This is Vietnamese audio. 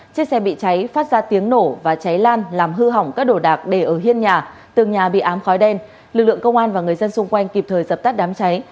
chiếc xe bị cháy phát ra tiếng nổ và cháy lan làm hư hỏng các đồ đạc để ở hiên nhà tường nhà bị ám khói đen lực lượng công an và người dân xung quanh kịp thời dập tắt đám cháy